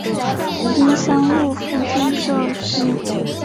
丁香路附近设施